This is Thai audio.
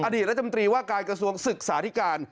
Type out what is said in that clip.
อดีตรัฐมนตรีว่าการกระทรวงศึกษาธิการ